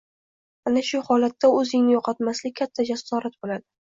Ana shu holatda oʻzingni yoʻqotmaslik katta jasorat boʻladi